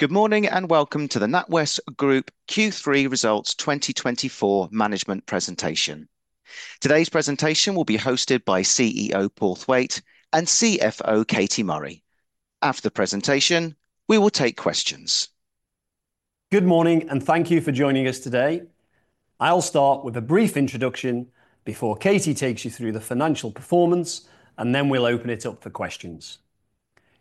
Good morning, and welcome to the NatWest Group Q3 Results 2024 management presentation. Today's presentation will be hosted by CEO Paul Thwaite and CFO Katie Murray. After the presentation, we will take questions. Good morning, and thank you for joining us today. I'll start with a brief introduction before Katie takes you through the financial performance, and then we'll open it up for questions.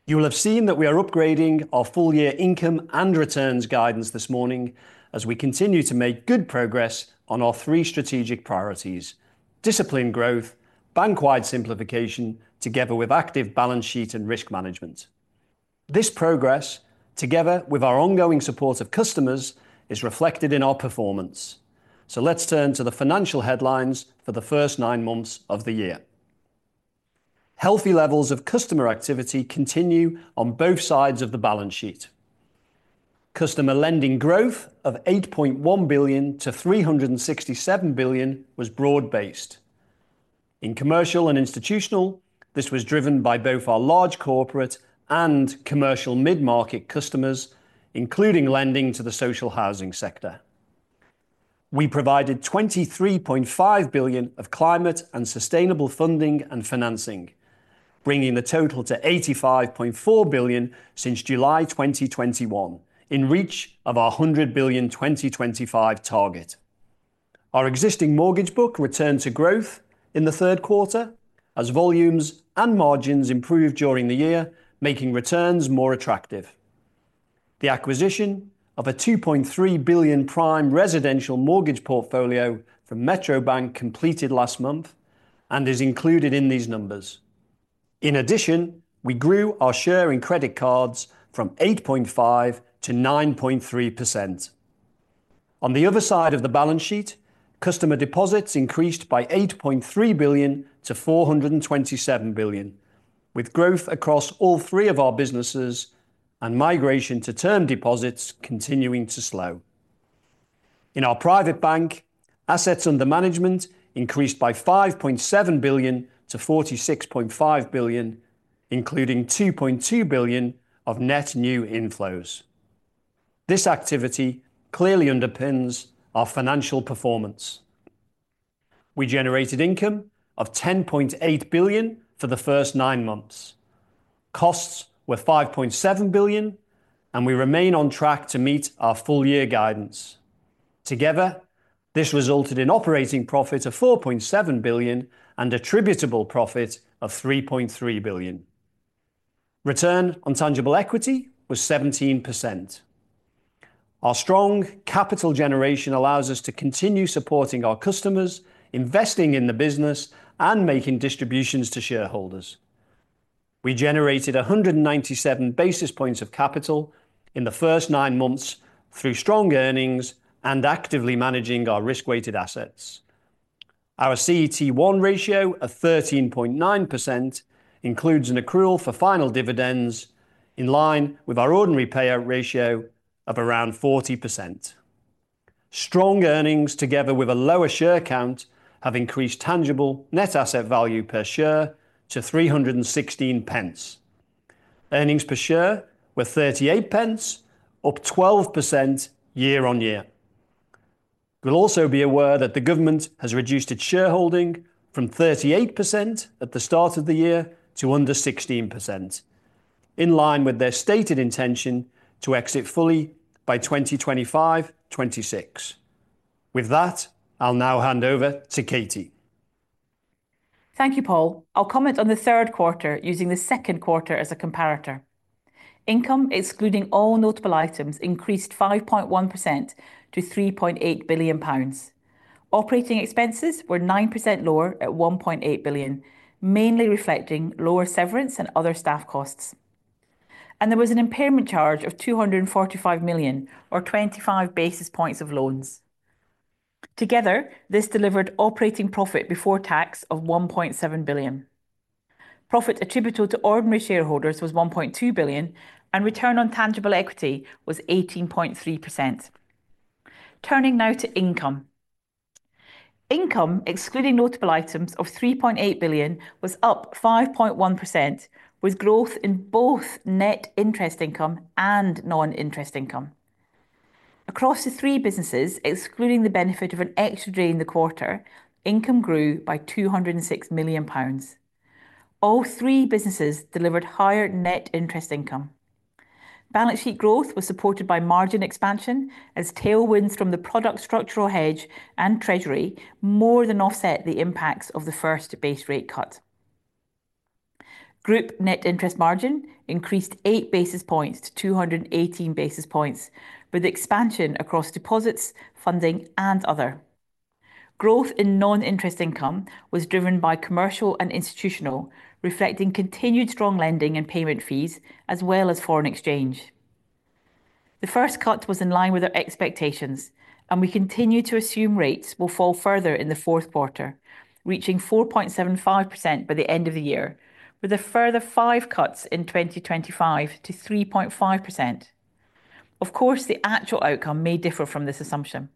You will have seen that we are upgrading our full year income and returns guidance this morning, as we continue to make good progress on our three strategic priorities: disciplined growth, bank-wide simplification, together with active balance sheet and risk management. This progress, together with our ongoing support of customers, is reflected in our performance. So let's turn to the financial headlines for the first nine months of the year. Healthy levels of customer activity continue on both sides of the balance sheet. Customer lending growth of 8.1 billion to 367 billion was broad-based. In commercial and institutional, this was driven by both our large corporate and commercial mid-market customers, including lending to the social housing sector. We provided 23.5 billion of climate and sustainable funding and financing, bringing the total to 85.4 billion since July 2021, in reach of our 100 billion 2025 target. Our existing mortgage book returned to growth in the third quarter, as volumes and margins improved during the year, making returns more attractive. The acquisition of a 2.3 billion prime residential mortgage portfolio from Metro Bank completed last month and is included in these numbers. In addition, we grew our share in credit cards from 8.5% to 9.3%. On the other side of the balance sheet, customer deposits increased by 8.3 billion to 427 billion, with growth across all three of our businesses and migration to term deposits continuing to slow. In our private bank, assets under management increased by 5.7 billion to 46.5 billion, including 2.2 billion of net new inflows. This activity clearly underpins our financial performance. We generated income of 10.8 billion for the first nine months. Costs were 5.7 billion, and we remain on track to meet our full year guidance. Together, this resulted in operating profit of 4.7 billion and attributable profit of 3.3 billion. Return on tangible equity was 17%. Our strong capital generation allows us to continue supporting our customers, investing in the business, and making distributions to shareholders. We generated 197 basis points of capital in the first nine months through strong earnings and actively managing our risk-weighted assets. Our CET1 ratio of 13.9% includes an accrual for final dividends in line with our ordinary payout ratio of around 40%. Strong earnings, together with a lower share count, have increased tangible net asset value per share to 316 pence. Earnings per share were 38 pence, up 12% year-on-year. You'll also be aware that the government has reduced its shareholding from 38% at the start of the year to under 16%, in line with their stated intention to exit fully by 2025, 2026. With that, I'll now hand over to Katie. Thank you, Paul. I'll comment on the third quarter, using the second quarter as a comparator. Income, excluding all notable items, increased 5.1% to 3.8 billion pounds. Operating expenses were 9% lower at 1.8 billion, mainly reflecting lower severance and other staff costs. There was an impairment charge of 245 million, or 25 basis points of loans. Together, this delivered operating profit before tax of 1.7 billion. Profit attributable to ordinary shareholders was 1.2 billion, and return on tangible equity was 18.3%. Turning now to income. Income, excluding notable items of 3.8 billion, was up 5.1%, with growth in both net interest income and non-interest income. Across the three businesses, excluding the benefit of an extra day in the quarter, income grew by 206 million pounds. All three businesses delivered higher net interest income. Balance sheet growth was supported by margin expansion as tailwinds from the product structural hedge and treasury more than offset the impacts of the first base rate cut. Group net interest margin increased 8 basis points to 218 basis points, with expansion across deposits, funding, and other. Growth in non-interest income was driven by commercial and institutional, reflecting continued strong lending and payment fees, as well as foreign exchange. The first cut was in line with our expectations, and we continue to assume rates will fall further in the fourth quarter, reaching 4.75% by the end of the year, with a further five cuts in 2025 to 3.5%. Of course, the actual outcome may differ from this assumption.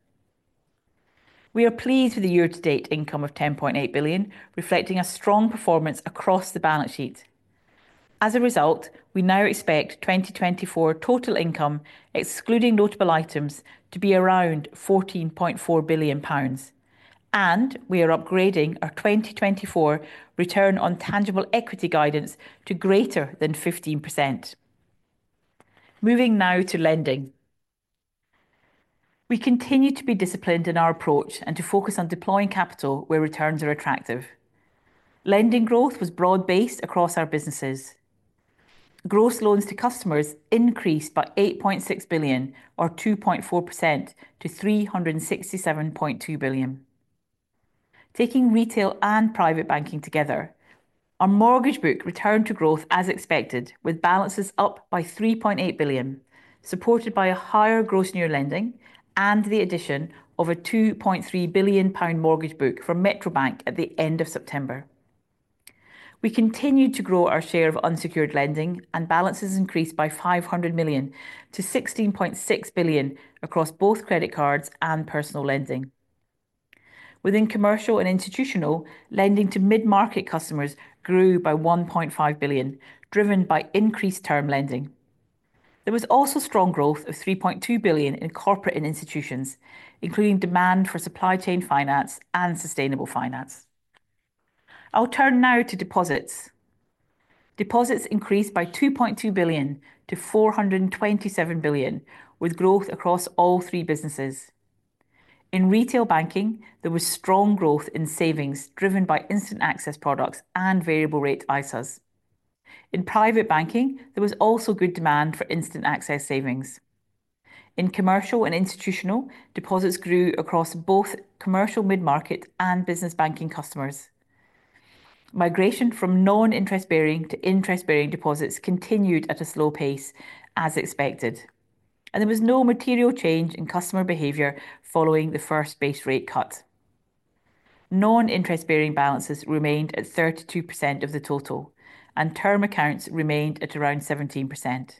We are pleased with the year-to-date income of 10.8 billion, reflecting a strong performance across the balance sheet. As a result, we now expect 2024 total income, excluding notable items, to be around 14.4 billion pounds, and we are upgrading our 2024 return on tangible equity guidance to greater than 15%. Moving now to lending. We continue to be disciplined in our approach and to focus on deploying capital where returns are attractive. Lending growth was broad-based across our businesses. Gross loans to customers increased by 8.6 billion, or 2.4%, to 367.2 billion. Taking retail and private banking together, our mortgage book returned to growth as expected, with balances up by 3.8 billion, supported by a higher gross new lending and the addition of a 2.3 billion pound mortgage book from Metro Bank at the end of September. We continued to grow our share of unsecured lending, and balances increased by 500 million to 16.6 billion across both credit cards and personal lending. Within commercial and institutional, lending to mid-market customers grew by 1.5 billion, driven by increased term lending. There was also strong growth of 3.2 billion in corporate and institutions, including demand for supply chain finance and sustainable finance. I'll turn now to deposits. Deposits increased by 2.2 billion to 427 billion, with growth across all three businesses. In retail banking, there was strong growth in savings, driven by instant access products and variable rate ISAs. In private banking, there was also good demand for instant access savings. In commercial and institutional, deposits grew across both commercial mid-market and business banking customers. Migration from non-interest bearing to interest-bearing deposits continued at a slow pace, as expected, and there was no material change in customer behavior following the first base rate cut. Non-interest bearing balances remained at 32% of the total, and term accounts remained at around 17%.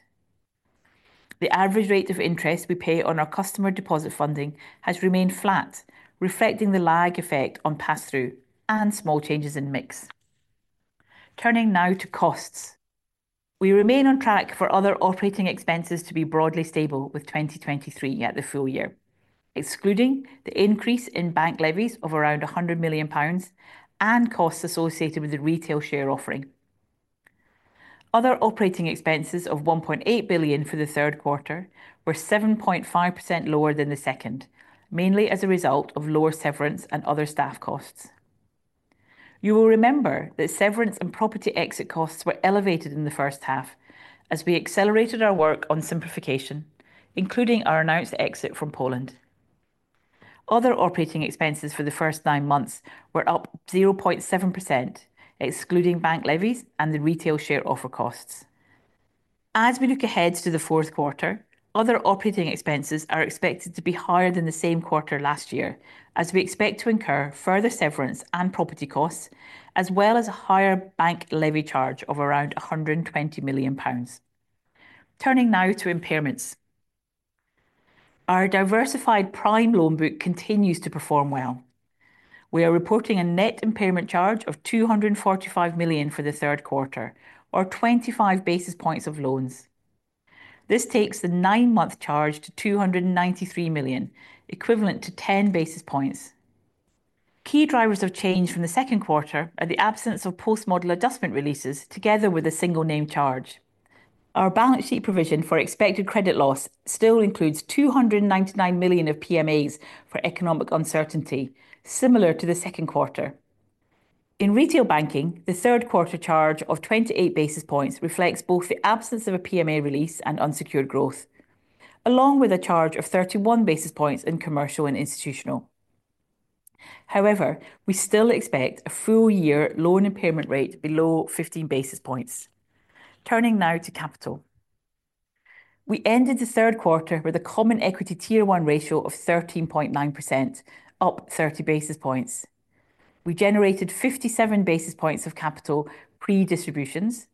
The average rate of interest we pay on our customer deposit funding has remained flat, reflecting the lag effect on pass-through and small changes in mix. Turning now to costs. We remain on track for other operating expenses to be broadly stable with 2023 at the full year, excluding the increase in bank levies of around 100 million pounds and costs associated with the retail share offering. Other operating expenses of 1.8 billion for the third quarter were 7.5% lower than the second, mainly as a result of lower severance and other staff costs. You will remember that severance and property exit costs were elevated in the first half as we accelerated our work on simplification, including our announced exit from Poland. Other operating expenses for the first nine months were up 0.7%, excluding bank levies and the retail share offer costs. As we look ahead to the fourth quarter, other operating expenses are expected to be higher than the same quarter last year, as we expect to incur further severance and property costs, as well as a higher bank levy charge of around 120 million pounds. Turning now to impairments. Our diversified prime loan book continues to perform well. We are reporting a net impairment charge of 245 million for the third quarter, or 25 basis points of loans. This takes the nine-month charge to 293 million, equivalent to 10 basis points. Key drivers of change from the second quarter are the absence of post-model adjustment releases together with a single name charge. Our balance sheet provision for expected credit loss still includes 299 million of PMAs for economic uncertainty, similar to the second quarter. In retail banking, the third quarter charge of 28 basis points reflects both the absence of a PMA release and unsecured growth, along with a charge of 31 basis points in commercial and institutional. However, we still expect a full year loan impairment rate below 15 basis points. Turning now to capital. We ended the third quarter with a Common Equity Tier 1 ratio of 13.9%, up 30 basis points. We generated 57 basis points of capital pre-distributions,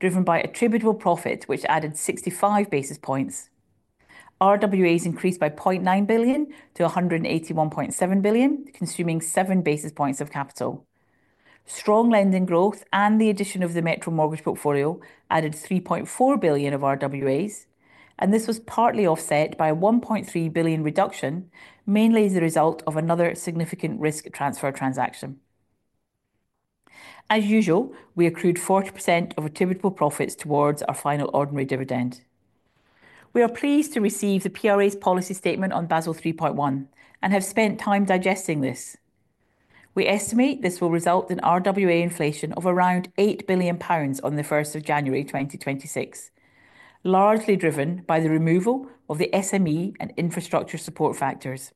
driven by attributable profit, which added 65 basis points. RWAs increased by £0.9 billion to £181.7 billion, consuming 7 basis points of capital. Strong lending growth and the addition of the Metro mortgage portfolio added £3.4 billion of RWAs, and this was partly offset by a £1.3 billion reduction, mainly as a result of another significant risk transfer transaction. As usual, we accrued 40% of attributable profits towards our final ordinary dividend. We are pleased to receive the PRA's policy statement on Basel 3.1 and have spent time digesting this. We estimate this will result in RWA inflation of around 8 billion pounds on the first of January, 2026, largely driven by the removal of the SME and infrastructure support factors.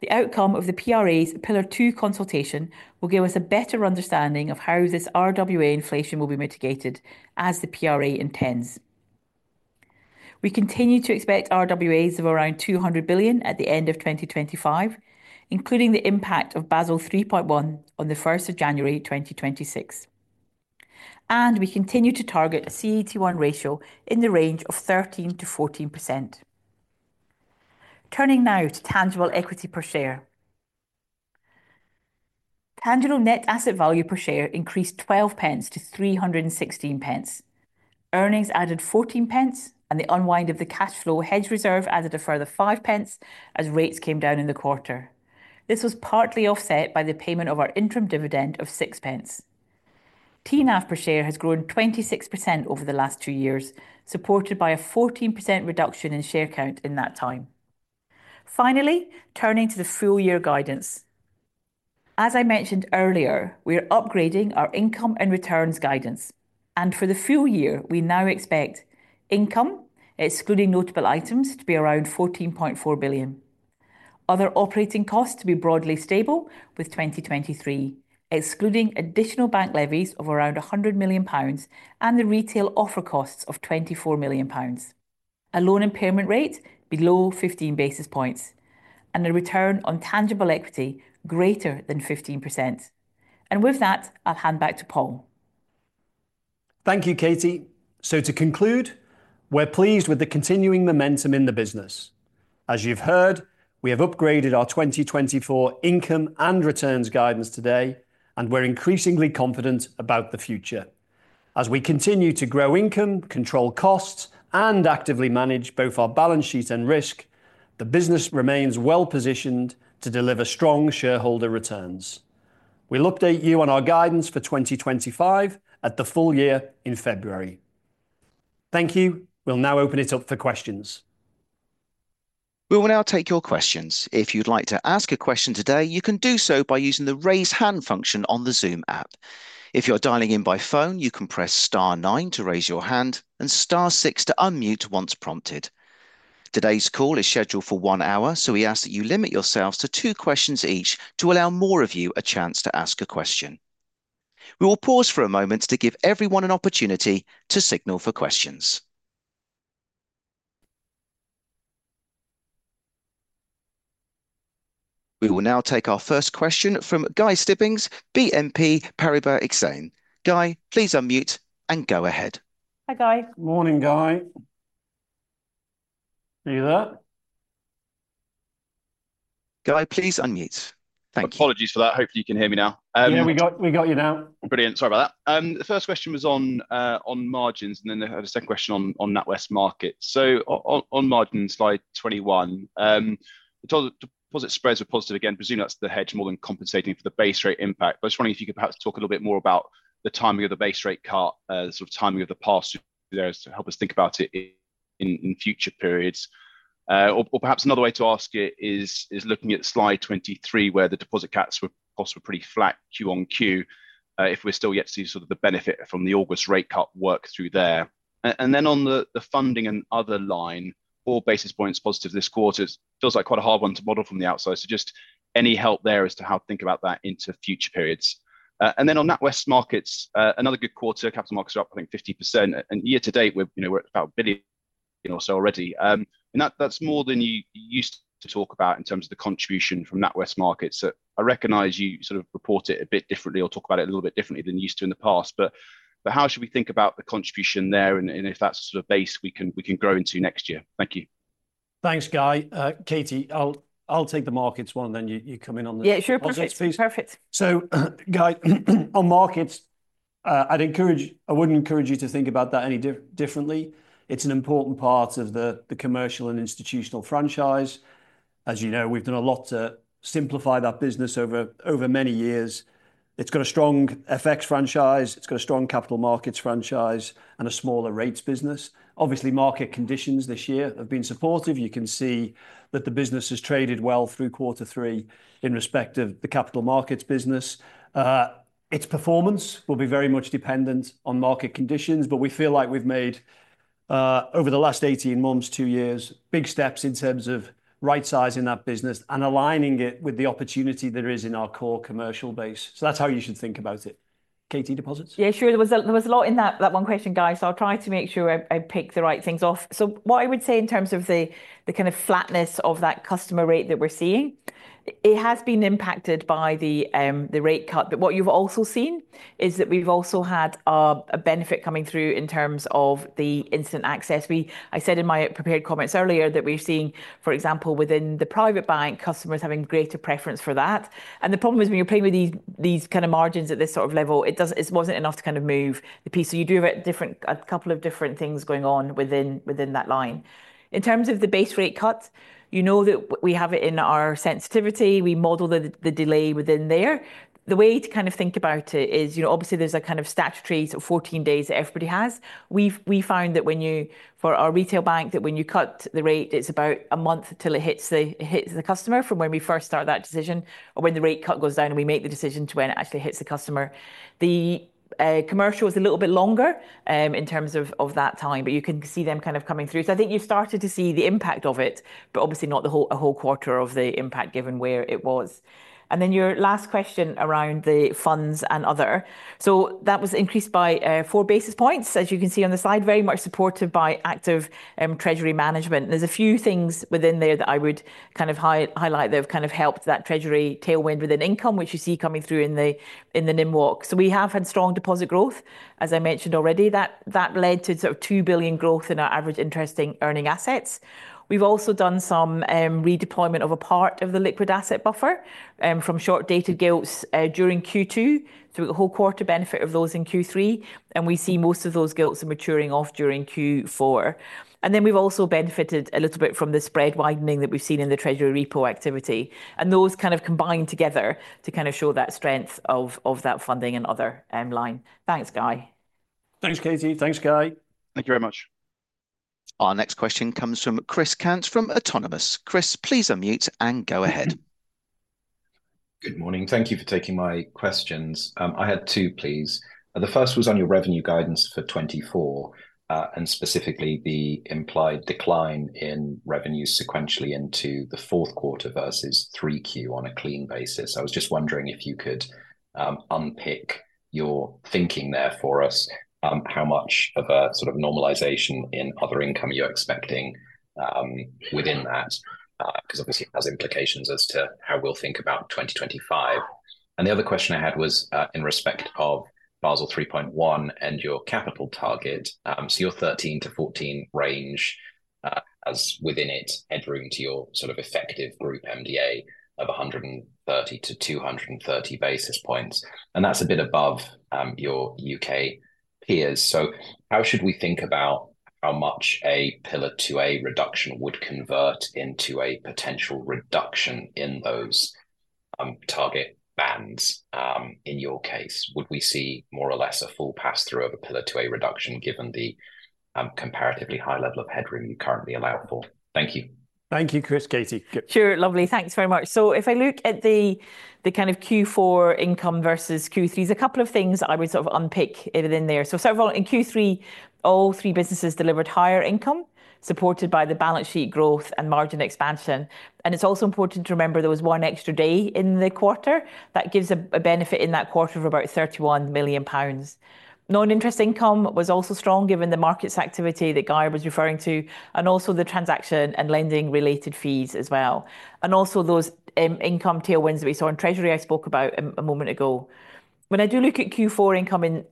The outcome of the PRA's Pillar 2 consultation will give us a better understanding of how this RWA inflation will be mitigated as the PRA intends. We continue to expect RWAs of around 200 billion at the end of 2025, including the impact of Basel 3.1 on the first of January, 2026, and we continue to target a CET1 ratio in the range of 13%-14%. Turning now to tangible equity per share. Tangible net asset value per share increased 12 pence to 316 pence. Earnings added 14 pence, and the unwind of the cash flow hedge reserve added a further 5 pence as rates came down in the quarter. This was partly offset by the payment of our interim dividend of 6 pence. TNAV per share has grown 26% over the last two years, supported by a 14% reduction in share count in that time. Finally, turning to the full year guidance. As I mentioned earlier, we are upgrading our income and returns guidance, and for the full year, we now expect income, excluding notable items, to be around 14.4 billion. Other operating costs to be broadly stable with 2023, excluding additional bank levies of around 100 million pounds and the retail offer costs of 24 million pounds. A loan impairment rate below 15 basis points, and a return on tangible equity greater than 15%. And with that, I'll hand back to Paul. Thank you, Katie. So to conclude, we're pleased with the continuing momentum in the business. As you've heard, we have upgraded our 2024 income and returns guidance today, and we're increasingly confident about the future. As we continue to grow income, control costs, and actively manage both our balance sheet and risk, the business remains well-positioned to deliver strong shareholder returns. We'll update you on our guidance for twenty twenty-five at the full year in February. Thank you. We'll now open it up for questions. We will now take your questions. If you'd like to ask a question today, you can do so by using the Raise Hand function on the Zoom app. If you're dialing in by phone, you can press star nine to raise your hand and star six to unmute once prompted. Today's call is scheduled for one hour, so we ask that you limit yourselves to two questions each to allow more of you a chance to ask a question. We will pause for a moment to give everyone an opportunity to signal for questions. We will now take our first question from Guy Stebbings, BNP Paribas Exane. Guy, please unmute and go ahead. Hi, Guy. Morning, Guy. Are you there? Guy, please unmute. Thank you. Apologies for that. Hopefully, you can hear me now. Yeah, we got you now. Brilliant. Sorry about that. The first question was on, on margins, and then I had a second question on, on NatWest Markets. So on, on margin, slide twenty-one, deposit spreads were positive again. Presumably, that's the hedge more than compensating for the base rate impact. But I was wondering if you could perhaps talk a little bit more about the timing of the base rate cut, sort of timing of the past there to help us think about it in, in future periods. Or, or perhaps another way to ask it is, is looking at slide twenty-three, where the deposit cuts were possibly pretty flat Q on Q, if we're still yet to see sort of the benefit from the August rate cut work through there. And then on the funding and other line, four basis points positive this quarter. It feels like quite a hard one to model from the outside. So just any help there as to how to think about that into future periods. And then on NatWest Markets, another good quarter. Capital markets are up, I think, 50%. And year to date, we're, you know, at about a billion or so already. And that, that's more than you used to talk about in terms of the contribution from NatWest Markets. So I recognize you sort of report it a bit differently or talk about it a little bit differently than you used to in the past, but how should we think about the contribution there and if that's the sort of base we can grow into next year? Thank you. Thanks, Guy. Katie, I'll take the markets one, and then you come in on the- Yeah, sure. Deposits, please. Perfect, perfect. Guy, on markets, I wouldn't encourage you to think about that any differently. It's an important part of the commercial and institutional franchise. As you know, we've done a lot to simplify that business over many years. It's got a strong FX franchise, it's got a strong capital markets franchise, and a smaller rates business. Obviously, market conditions this year have been supportive. You can see that the business has traded well through quarter three in respect of the capital markets business. Its performance will be very much dependent on market conditions, but we feel like we've made over the last eighteen months, two years, big steps in terms of right-sizing that business and aligning it with the opportunity there is in our core commercial base. That's how you should think about it. Katie, deposits? Yeah, sure. There was a lot in that one question, Guy, so I'll try to make sure I tick the right things off. So what I would say in terms of the kind of flatness of that customer rate that we're seeing, it has been impacted by the rate cut. But what you've also seen is that we've also had a benefit coming through in terms of the instant access. I said in my prepared comments earlier that we're seeing, for example, within the private bank, customers having greater preference for that. And the problem is, when you're playing with these kind of margins at this sort of level, it wasn't enough to kind of move the piece. So you do have it different, a couple of different things going on within that line. In terms of the base rate cuts, you know that we have it in our sensitivity. We model the delay within there. The way to kind of think about it is, you know, obviously, there's a kind of statutory sort of fourteen days that everybody has. We've found that when you... For our retail bank, that when you cut the rate, it's about a month until it hits the customer from when we first start that decision, or when the rate cut goes down and we make the decision to when it actually hits the customer. The commercial is a little bit longer in terms of that time, but you can see them kind of coming through. So I think you've started to see the impact of it, but obviously not the whole, a whole quarter of the impact, given where it was. And then your last question around the funds and other. So that was increased by four basis points, as you can see on the slide, very much supported by active treasury management. There's a few things within there that I would kind of highlight that have kind of helped that treasury tailwind with an income, which you see coming through in the NIM walk. So we have had strong deposit growth, as I mentioned already. That led to sort of £2 billion growth in our average interest-earning assets. We've also done some redeployment of a part of the liquid asset buffer from short-dated gilts during Q2, through the whole quarter benefit of those in Q3, and we see most of those gilts maturing off during Q4. Then we've also benefited a little bit from the spread widening that we've seen in the treasury repo activity, and those kind of combine together to kind of show that strength of that funding and other end line. Thanks, Guy. Thanks, Katie. Thanks, Guy. Thank you very much. Our next question comes from Chris Cant from Autonomous. Chris, please unmute and go ahead. Good morning. Thank you for taking my questions. I had two, please. The first was on your revenue guidance for 2024, and specifically the implied decline in revenue sequentially into the fourth quarter versus 3Q on a clean basis. I was just wondering if you could unpick your thinking there for us, how much of a sort of normalization in other income you're expecting within that? 'Cause obviously it has implications as to how we'll think about 2025, and the other question I had was in respect of Basel 3.1 and your capital target. So your 13-14 range has within it headroom to your sort of effective group MDA of 130-230 basis points, and that's a bit above your U.K. peers. How should we think about how much a Pillar 2A reduction would convert into a potential reduction in those target bands in your case? Would we see more or less a full pass-through of a Pillar 2A reduction, given the comparatively high level of headroom you currently allow for? Thank you. Thank you, Chris. Katie? Sure, lovely. Thanks very much. So if I look at the kind of Q4 income versus Q3, there's a couple of things I would sort of unpick within there. So first of all, in Q3, all three businesses delivered higher income, supported by the balance sheet growth and margin expansion. And it's also important to remember there was one extra day in the quarter that gives a benefit in that quarter of about 31 million pounds. Non-interest income was also strong, given the markets activity that Guy was referring to, and also the transaction and lending related fees as well, and also those income tailwinds we saw in treasury I spoke about a moment ago. When I do look at Q4 income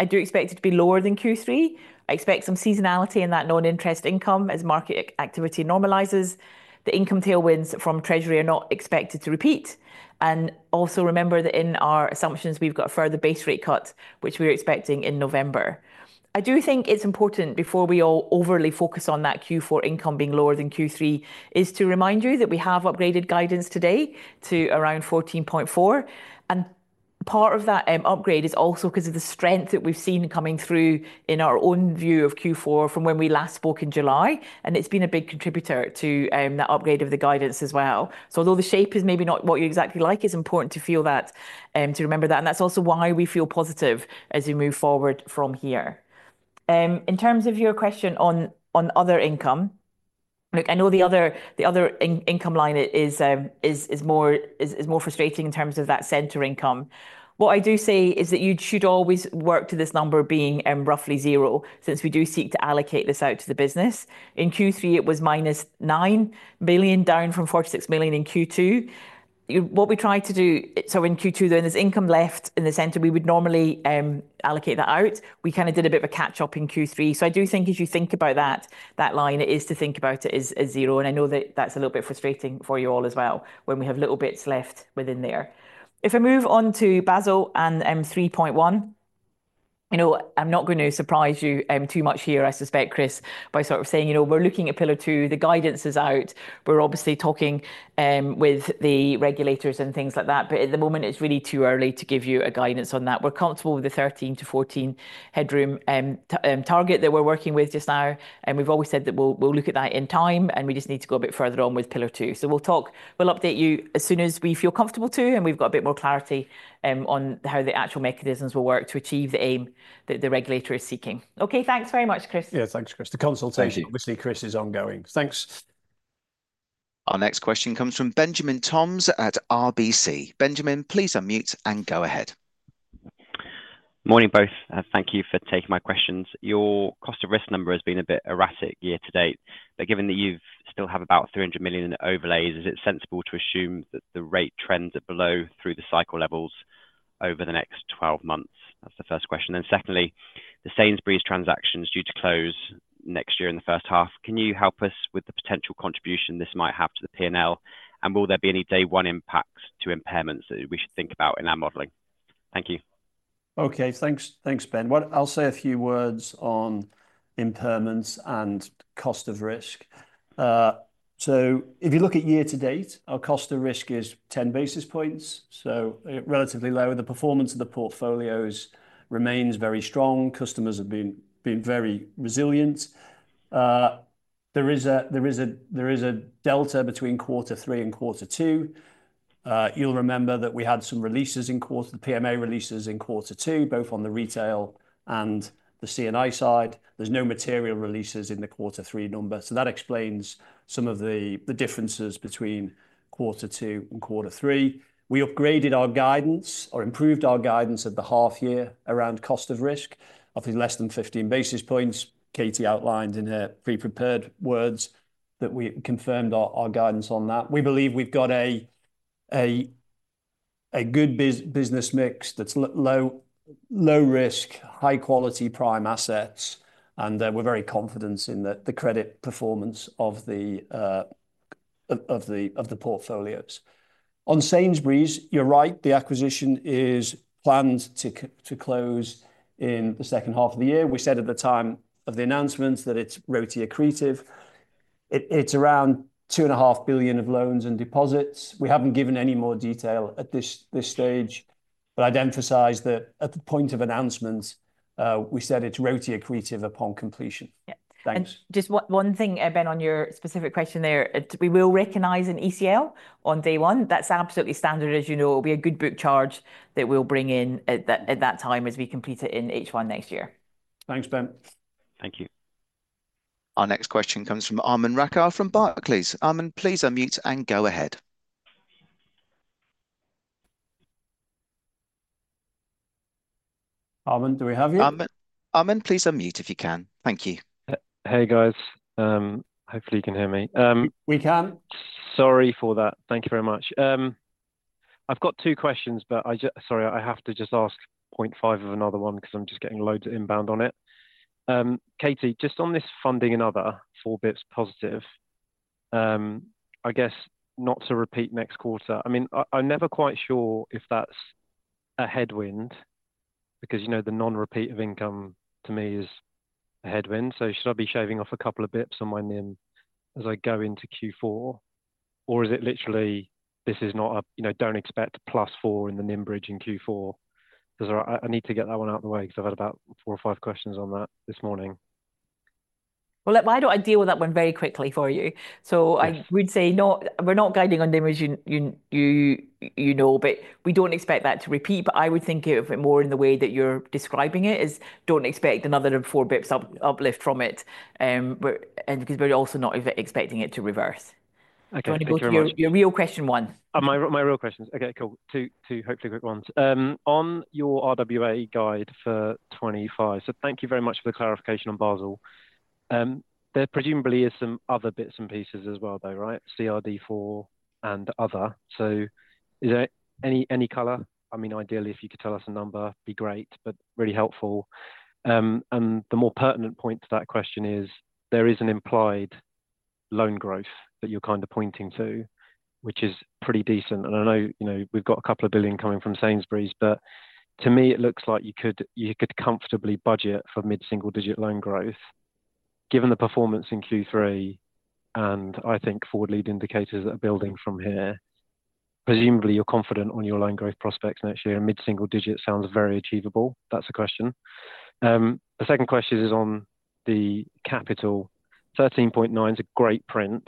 I do expect it to be lower than Q3. I expect some seasonality in that non-interest income as market activity normalizes. The income tailwinds from treasury are not expected to repeat, and also remember that in our assumptions, we've got a further base rate cut, which we're expecting in November. I do think it's important, before we all overly focus on that Q4 income being lower than Q3, is to remind you that we have upgraded guidance today to around 14.4, and part of that, upgrade is also 'cause of the strength that we've seen coming through in our own view of Q4 from when we last spoke in July, and it's been a big contributor to, that upgrade of the guidance as well. So although the shape is maybe not what you'd exactly like, it's important to feel that, to remember that, and that's also why we feel positive as we move forward from here. In terms of your question on other income, look, I know the other income line is more frustrating in terms of that central income. What I do say is that you should always work to this number being roughly zero, since we do seek to allocate this out to the business. In Q3, it was minus 9 million, down from 46 million in Q2. What we tried to do... So in Q2, when there's income left in the central, we would normally allocate that out. We kind of did a bit of a catch-up in Q3. So I do think as you think about that line, is to think about it as zero, and I know that that's a little bit frustrating for you all as well, when we have little bits left within there. If I move on to Basel and 3.1, you know, I'm not going to surprise you too much here, I suspect, Chris, by sort of saying, "You know, we're looking at Pillar 2. The guidance is out." We're obviously talking with the regulators and things like that, but at the moment it's really too early to give you a guidance on that. We're comfortable with the 13-14 headroom target that we're working with just now, and we've always said that we'll look at that in time, and we just need to go a bit further on with Pillar 2. So we'll talk. We'll update you as soon as we feel comfortable to, and we've got a bit more clarity on how the actual mechanisms will work to achieve the aim that the regulator is seeking. Okay, thanks very much, Chris. Yeah. Thanks, Chris. Thank you. The consultation, obviously, Chris, is ongoing. Thanks. Our next question comes from Benjamin Toms at RBC. Benjamin, please unmute and go ahead. Morning, both. Thank you for taking my questions. Your cost of risk number has been a bit erratic year to date, but given that you still have about 300 million in overlays, is it sensible to assume that the rate trends are below through the cycle levels over the next twelve months? That's the first question. Then secondly, the Sainsbury's transaction is due to close next year in the first half. Can you help us with the potential contribution this might have to the P&L, and will there be any day one impacts to impairments that we should think about in our modeling? Thank you. Okay, thanks. Thanks, Ben. I'll say a few words on impairments and cost of risk. So if you look at year to date, our cost of risk is ten basis points, so relatively low. The performance of the portfolios remains very strong. Customers have been very resilient. There is a delta between Quarter 3 and Quarter 2. You'll remember that we had some releases in Quarter 2, PMA releases in Quarter 2, both on the retail and the C&I side. There's no material releases in the Quarter 3 numbers, so that explains some of the differences between Quarter 2 and Quarter 3. We upgraded our guidance, or improved our guidance at the half year around cost of risk, I think less than fifteen basis points. Katie outlined in her pre-prepared words that we confirmed our guidance on that. We believe we've got a good business mix that's low risk, high quality prime assets, and we're very confident in the credit performance of the portfolios. On Sainsbury's, you're right, the acquisition is planned to close in the second half of the year. We said at the time of the announcement that it's RoTE accretive. It's around 2.5 billion of loans and deposits. We haven't given any more detail at this stage, but I'd emphasize that at the point of announcement, we said it's RoTE accretive upon completion. Yeah. Thanks. Just one thing, Ben, on your specific question there, we will recognize an ECL on day one. That's absolutely standard, as you know. It'll be a good book charge that we'll bring in at that time as we complete it in H1 next year. Thanks, Ben. Thank you. Our next question comes from Aman Rakkar from Barclays. Aman, please unmute and go ahead. Aman, do we have you? Aman, Aman, please unmute if you can. Thank you. Hey, guys. Hopefully you can hear me. We can. Sorry for that. Thank you very much. I've got two questions, but sorry, I have to just ask point five of another one, 'cause I'm just getting loads of inbound on it. Katie, just on this funding and other four basis points positive, I guess not to repeat next quarter. I mean, I'm never quite sure if that's a headwind, because, you know, the non-repeat of income to me is a headwind. So should I be shaving off a couple of basis points on my NIM as I go into Q4, or is it literally this is not a, you know, don't expect plus four in the NIM bridge in Q4? 'Cause I need to get that one out the way, 'cause I've had about four or five questions on that this morning. Why don't I deal with that one very quickly for you? Great. So I would say not. We're not guiding on NIM bridge, you know, but we don't expect that to repeat, but I would think of it more in the way that you're describing it, is don't expect another four basis points uplift from it. But because we're also not expecting it to reverse. Okay. Thank you very much. Do you want to go to your, your real question one? My real questions. Okay, cool. Two hopefully quick ones. On your RWA guide for 2025, so thank you very much for the clarification on Basel. There presumably is some other bits and pieces as well though, right? CRD IV and other. So is there any color? I mean, ideally, if you could tell us a number, be great, but really helpful. And the more pertinent point to that question is, there is an implied loan growth that you're kind of pointing to, which is pretty decent. And I know, you know, we've got a couple of billion coming from Sainsbury's, but to me it looks like you could comfortably budget for mid-single digit loan growth. Given the performance in Q3, and I think forward lead indicators are building from here, presumably you're confident on your loan growth prospects next year, and mid-single digit sounds very achievable. That's a question. The second question is on the capital. 13.9% is a great print.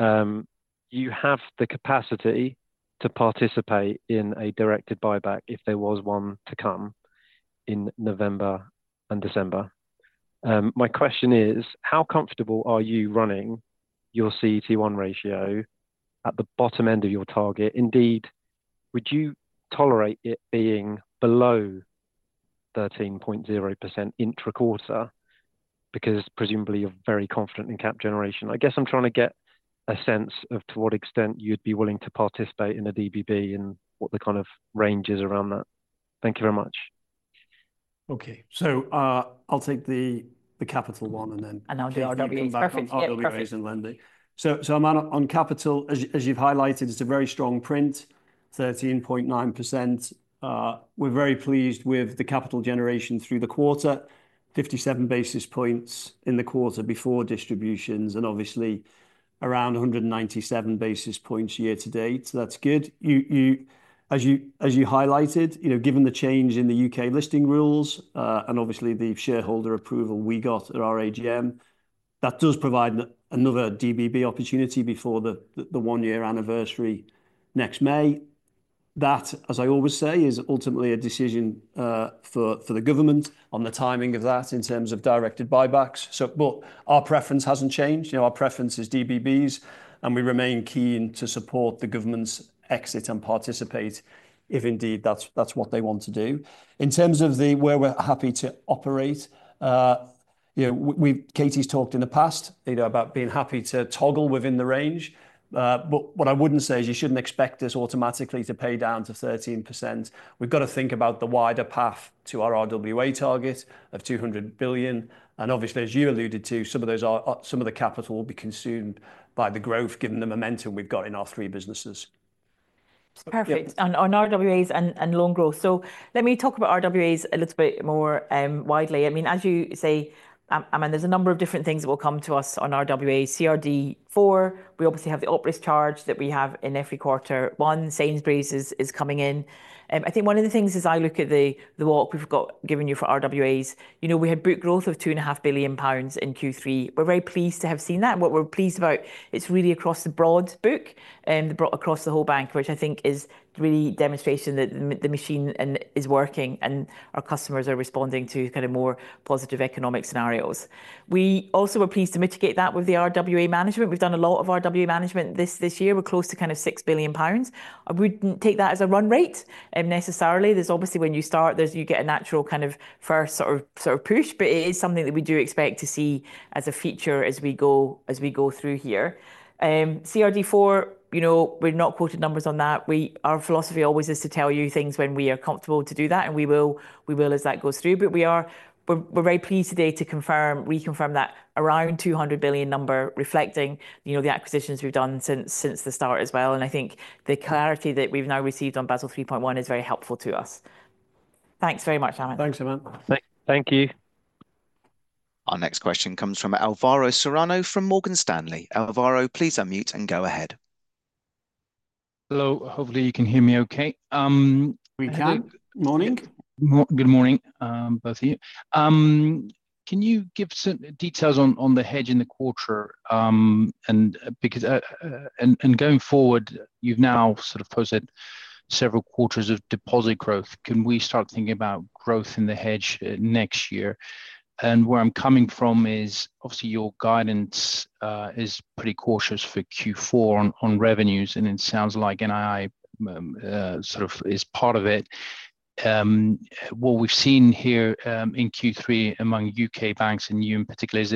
You have the capacity to participate in a directed buyback if there was one to come in November and December. My question is: How comfortable are you running your CET1 ratio at the bottom end of your target? Indeed, would you tolerate it being below 13.0% intra-quarter? Because presumably you're very confident in cap generation. I guess I'm trying to get a sense of to what extent you'd be willing to participate in a DBB and what the kind of range is around that. Thank you very much. Okay. So, I'll take the capital one, and then- I'll do RWA. Katie, you come back on RWA and lending. Perfect. Yeah, perfect. Armin, on capital, as you've highlighted, it's a very strong print, 13.9%. We're very pleased with the capital generation through the quarter, 57 basis points in the quarter before distributions, and obviously around 197 basis points year to date. That's good. As you highlighted, you know, given the change in the U.K. listing rules, and obviously the shareholder approval we got at our AGM, that does provide another DBB opportunity before the one-year anniversary next May. That, as I always say, is ultimately a decision for the government on the timing of that in terms of directed buybacks. But our preference hasn't changed. You know, our preference is DBBs, and we remain keen to support the government's exit and participate if indeed that's what they want to do. In terms of the, where we're happy to operate, you know, we've Katie's talked in the past, you know, about being happy to toggle within the range. But what I wouldn't say is you shouldn't expect us automatically to pay down to 13%. We've got to think about the wider path to our RWA target of 200 billion, and obviously, as you alluded to, some of those are, some of the capital will be consumed by the growth, given the momentum we've got in our three businesses. That's perfect. Yeah. On RWAs and loan growth. So let me talk about RWAs a little bit more, widely. I mean, as you say, Aman, there's a number of different things that will come to us on RWA, CRD IV. We obviously have the output floor charge that we have in every quarter. One, Sainsbury's is coming in. I think one of the things as I look at the walk we've got given you for RWAs, you know, we had book growth of 2.5 billion pounds in Q3. We're very pleased to have seen that, and what we're pleased about. It's really across the broad book, across the whole bank, which I think is really demonstrating that the machine is working, and our customers are responding to kind of more positive economic scenarios. We also were pleased to mitigate that with the RWA management. We've done a lot of RWA management this year. We're close to kind of 6 billion pounds. I wouldn't take that as a run rate, necessarily. There's obviously when you start, you get a natural kind of first sort of push, but it is something that we do expect to see as a feature as we go through here. CRD IV, you know, we've not quoted numbers on that. Our philosophy always is to tell you things when we are comfortable to do that, and we will, we will as that goes through. But we're very pleased today to confirm, reconfirm that around 200 billion number, reflecting, you know, the acquisitions we've done since the start as well, and I think the clarity that we've now received on Basel 3.1 is very helpful to us. Thanks very much, Aman. Thanks, Emma. Thank you. Our next question comes from Alvaro Serrano from Morgan Stanley. Alvaro, please unmute and go ahead. Hello. Hopefully, you can hear me okay. We can. Morning. Good morning, both of you. Can you give some details on the hedge in the quarter? And because going forward, you've now sort of posted several quarters of deposit growth. Can we start thinking about growth in the hedge next year? And where I'm coming from is, obviously, your guidance is pretty cautious for Q4 on revenues, and it sounds like NII sort of is part of it. What we've seen here in Q3 among U.K. banks, and you in particular, is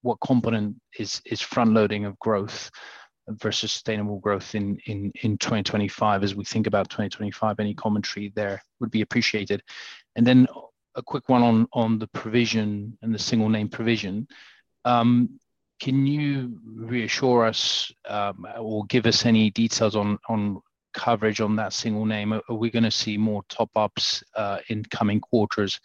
what component is front-loading of growth versus sustainable growth in 2025? As we think about 2025, any commentary there would be appreciated. And then a quick one on the provision and the single name provision. Can you reassure us, or give us any details on coverage on that single name? Are we going to see more top-ups in coming quarters?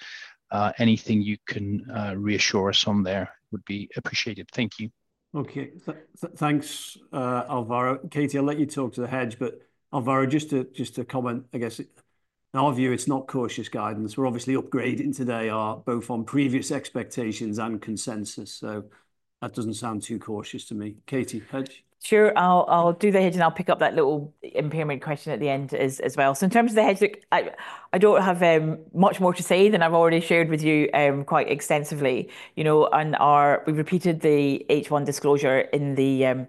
Anything you can reassure us on there would be appreciated. Thank you. Okay. Thanks, Alvaro. Katie, I'll let you talk to the hedge, but Alvaro, just to, just to comment, I guess, in our view, it's not cautious guidance. We're obviously upgrading today our, both on previous expectations and consensus, so that doesn't sound too cautious to me. Katie, hedge? Sure, I'll do the hedge, and I'll pick up that little impairment question at the end as well. So in terms of the hedge, look, I don't have much more to say than I've already shared with you, quite extensively. You know, on our... We've repeated the H1 disclosure in the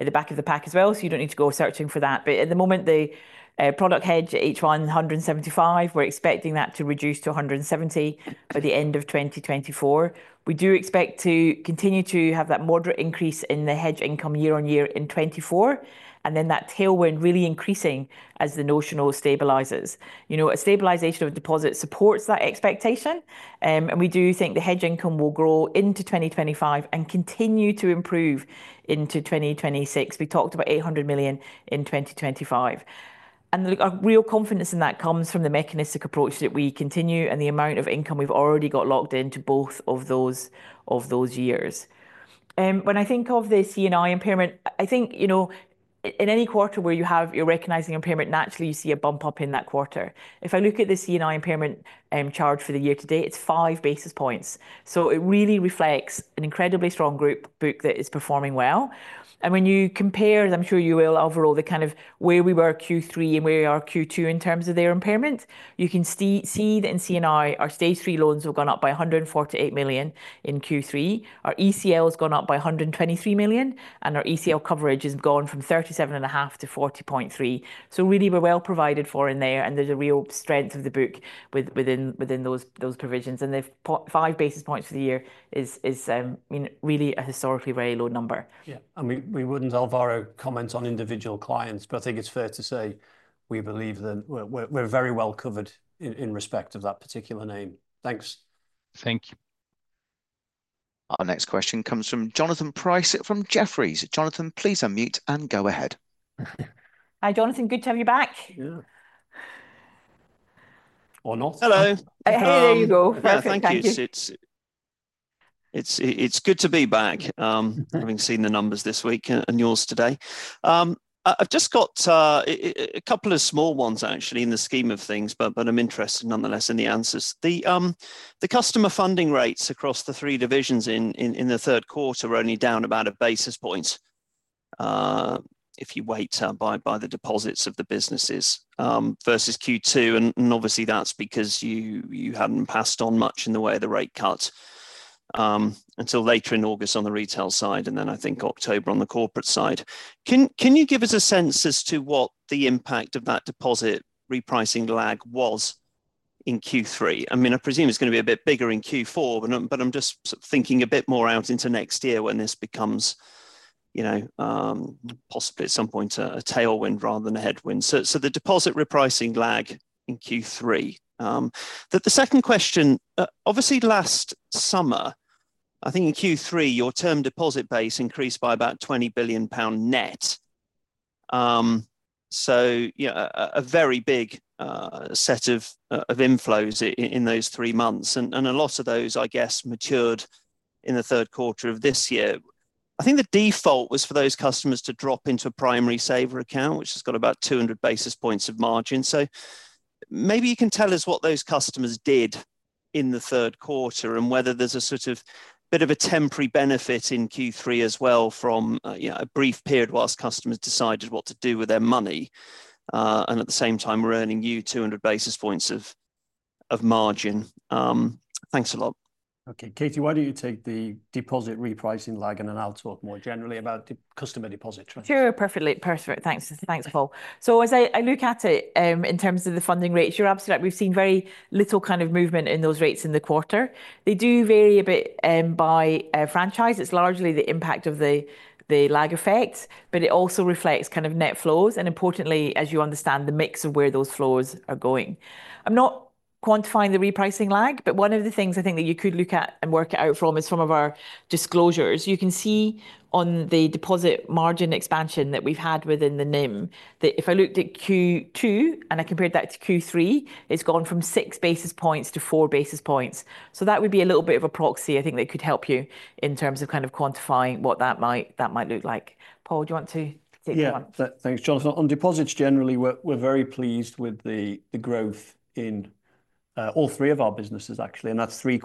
at the back of the pack as well, so you don't need to go searching for that. But at the moment, the product hedge at H1, hundred and seventy-five. We're expecting that to reduce to hundred and seventy by the end of 2024. We do expect to continue to have that moderate increase in the hedge income year on year in 2024, and then that tailwind really increasing as the notional stabilises. You know, a stabilization of deposits supports that expectation, and we do think the hedge income will grow into 2025 and continue to improve into 2026. We talked about 800 million in 2025. And look, our real confidence in that comes from the mechanistic approach that we continue and the amount of income we've already got locked into both of those, of those years. When I think of the C&I impairment, I think, you know, in any quarter where you have, you're recognizing impairment, naturally, you see a bump up in that quarter. If I look at the C&I impairment chart for the year to date, it's five basis points, so it really reflects an incredibly strong group book that is performing well. And when you compare, as I'm sure you will, overall, the kind of where we were Q3 and where we are Q2 in terms of their impairment, you can see that in C&I, our Stage 3 loans have gone up by 148 million in Q3. Our ECL has gone up by 123 million, and our ECL coverage has gone from 37.5% to 40.3%. So really, we're well provided for in there, and there's a real strength of the book within those provisions. And the five basis points for the year is, you know, really a historically very low number. Yeah, and we wouldn't, Alvaro, comment on individual clients, but I think it's fair to say we believe that we're very well covered in respect of that particular name. Thanks. Thank you. Our next question comes from Jonathan Price from Jefferies. Jonathan, please unmute and go ahead. Hi, Jonathan, good to have you back. Yeah. Or not. Hello. Hey, there you go. Yeah, thank you. Perfect. Thank you. It's good to be back, having seen the numbers this week and yours today. I've just got a couple of small ones actually in the scheme of things, but I'm interested nonetheless in the answers. The customer funding rates across the three divisions in the third quarter are only down about a basis point, if you weight by the deposits of the businesses, versus Q2, and obviously, that's because you hadn't passed on much in the way of the rate cut, until later in August on the retail side, and then I think October on the corporate side. Can you give us a sense as to what the impact of that deposit repricing lag was in Q3? I mean, I presume it's going to be a bit bigger in Q4, but I'm just thinking a bit more out into next year when this becomes, you know, possibly at some point, a tailwind rather than a headwind. The deposit repricing lag in Q3. The second question, obviously last summer, I think in Q3, your term deposit base increased by about 20 billion pound net. So, you know, a very big set of inflows in those three months, and a lot of those, I guess, matured in the third quarter of this year. I think the default was for those customers to drop into a primary saver account, which has got about 200 basis points of margin. So maybe you can tell us what those customers did. In the third quarter, and whether there's a sort of bit of a temporary benefit in Q3 as well from, you know, a brief period while customers decided what to do with their money, and at the same time we're earning you two hundred basis points of margin? Thanks a lot. Okay, Katie, why don't you take the deposit repricing lag, and then I'll talk more generally about customer deposit trends. Sure, perfectly perfect. Thanks, thanks, Paul. So as I look at it, in terms of the funding rates, you're absolutely right, we've seen very little kind of movement in those rates in the quarter. They do vary a bit by franchise. It's largely the impact of the lag effect, but it also reflects kind of net flows, and importantly, as you understand, the mix of where those flows are going. I'm not quantifying the repricing lag, but one of the things I think that you could look at and work it out from is some of our disclosures. You can see on the deposit margin expansion that we've had within the NIM, that if I looked at Q2 and I compared that to Q3, it's gone from six basis points to four basis points. So that would be a little bit of a proxy, I think, that could help you in terms of kind of quantifying what that might look like. Paul, do you want to take that one? Yeah. Thanks, Jonathan. On deposits, generally, we're very pleased with the growth in all three of our businesses, actually, and that's three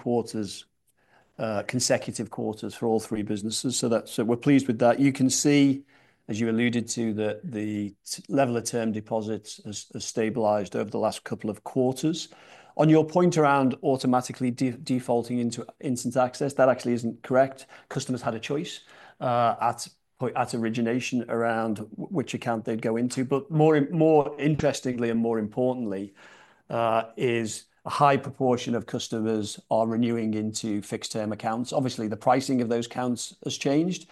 consecutive quarters for all three businesses. So that's. So we're pleased with that. You can see, as you alluded to, that the level of term deposits has stabilised over the last couple of quarters. On your point around automatically defaulting into instant access, that actually isn't correct. Customers had a choice at origination around which account they'd go into. But more interestingly and more importantly, is a high proportion of customers are renewing into fixed-term accounts. Obviously, the pricing of those accounts has changed,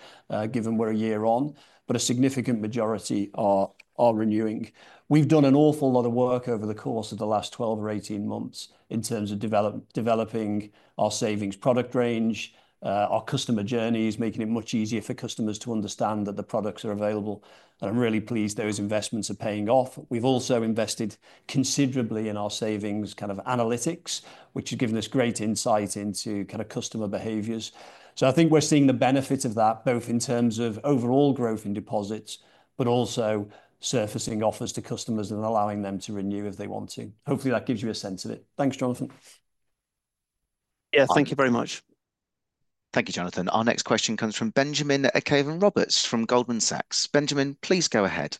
given we're a year on, but a significant majority are renewing. We've done an awful lot of work over the course of the last 12 or 18 months in terms of developing our savings product range, our customer journeys, making it much easier for customers to understand that the products are available, and I'm really pleased those investments are paying off. We've also invested considerably in our savings kind of analytics, which has given us great insight into kind of customer behaviors. So I think we're seeing the benefit of that, both in terms of overall growth in deposits, but also surfacing offers to customers and allowing them to renew if they want to. Hopefully, that gives you a sense of it. Thanks, Jonathan. Yeah, thank you very much. Thank you, Jonathan. Our next question comes from Benjamin Cave-Roberts, from Goldman Sachs. Benjamin, please go ahead.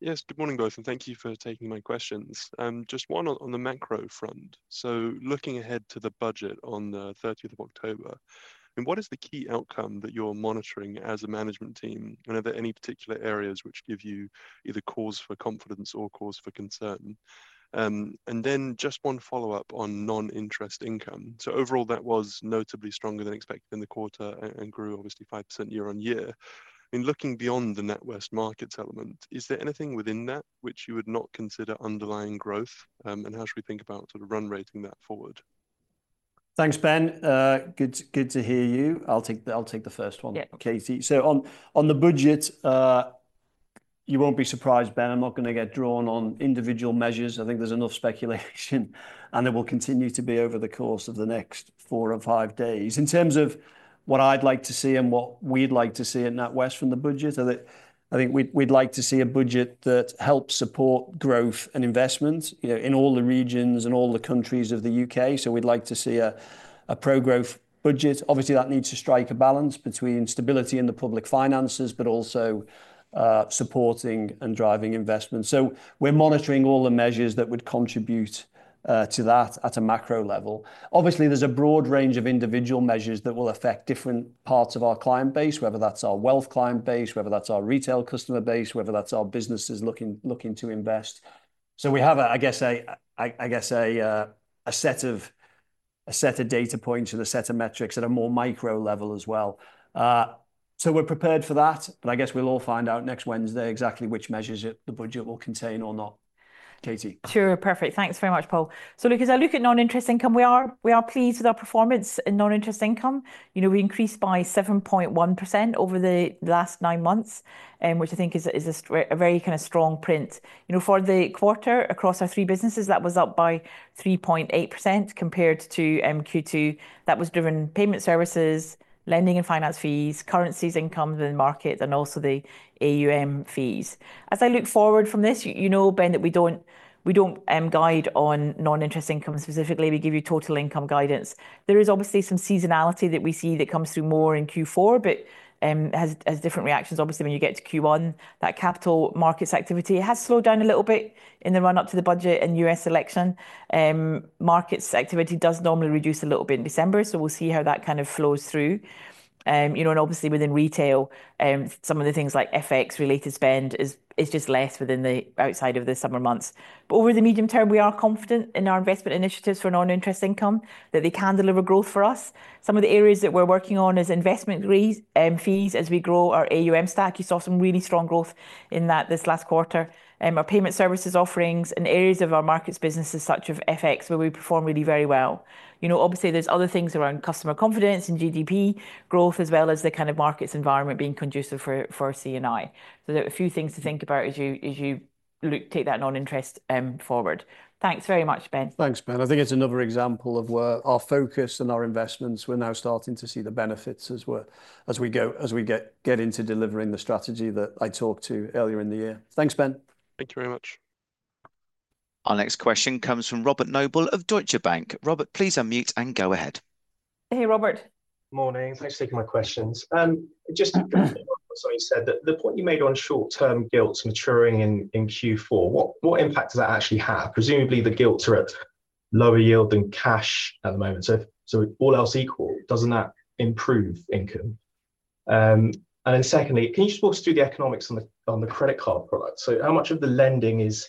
Yes, good morning, both, and thank you for taking my questions. Just one on the macro front. So looking ahead to the budget on the 30th of October, and what is the key outcome that you're monitoring as a management team, and are there any particular areas which give you either cause for confidence or cause for concern? And then just one follow-up on non-interest income. So overall, that was notably stronger than expected in the quarter and grew obviously 5% year on year. In looking beyond the NatWest Markets element, is there anything within that which you would not consider underlying growth, and how should we think about sort of run rating that forward? Thanks, Ben. Good to hear you. I'll take the first one- Yeah Katie. So on the budget, you won't be surprised, Ben, I'm not going to get drawn on individual measures. I think there's enough speculation and there will continue to be over the course of the next four or five days. In terms of what I'd like to see and what we'd like to see at NatWest from the budget, I think we'd like to see a budget that helps support growth and investment, you know, in all the regions and all the countries of the U.K., so we'd like to see a pro-growth budget. Obviously, that needs to strike a balance between stability and the public finances, but also supporting and driving investment. So we're monitoring all the measures that would contribute to that at a macro level. Obviously, there's a broad range of individual measures that will affect different parts of our client base, whether that's our wealth client base, whether that's our retail customer base, whether that's our businesses looking to invest. So we have a, I guess, a set of data points and a set of metrics at a more micro level as well. So we're prepared for that, but I guess we'll all find out next Wednesday exactly which measures the budget will contain or not. Katie? Sure, perfect. Thanks very much, Paul. So as I look at non-interest income, we are, we are pleased with our performance in non-interest income. You know, we increased by 7.1% over the last nine months, which I think is a very kind of strong print. You know, for the quarter, across our three businesses, that was up by 3.8% compared to Q2. That was driven payment services, lending and finance fees, currencies income within markets, and also the AUM fees. As I look forward from this, you, you know, Ben, that we don't, we don't guide on non-interest income specifically, we give you total income guidance. There is obviously some seasonality that we see that comes through more in Q4, but has, has different reactions, obviously, when you get to Q1. That capital markets activity has slowed down a little bit in the run-up to the budget and U.S. election. Markets activity does normally reduce a little bit in December, so we'll see how that kind of flows through. You know, and obviously within retail, some of the things like FX-related spend is just less within the outside of the summer months. But over the medium term, we are confident in our investment initiatives for non-interest income, that they can deliver growth for us. Some of the areas that we're working on is investment fees, fees, as we grow our AUM stack. You saw some really strong growth in that this last quarter. Our payment services offerings and areas of our markets business, such as FX, where we perform really very well. You know, obviously, there's other things around customer confidence and GDP growth, as well as the kind of markets environment being conducive for C&I. So there are a few things to think about as you take that non-interest forward. Thanks very much, Ben. Thanks, Ben. I think it's another example of where our focus and our investments, we're now starting to see the benefits as we go, as we get into delivering the strategy that I talked to earlier in the year. Thanks, Ben. Thank you very much. Our next question comes from Robert Noble of Deutsche Bank. Robert, please unmute and go ahead. Hey, Robert. Morning. Thanks for taking my questions. Just sorry, you said that the point you made on short-term gilts maturing in Q4, what impact does that actually have? Presumably, the gilts are at lower yield than cash at the moment, so all else equal, doesn't that improve income? And then secondly, can you just walk us through the economics on the credit card product? So how much of the lending is